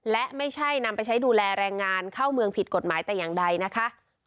และไม่ใช่นำไปใช้ดูแลแรงงานเข้าเมืองผิดกฎหมายแต่อย่างใดนะคะ